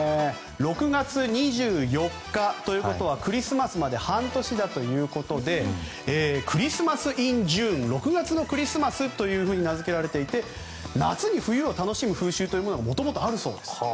６月２４日ということはクリスマスまで半年だということでクリスマス・イン・ジューン６月のクリスマスと名付けられていて夏に冬を楽しむ風習というのがもともとあるそうです。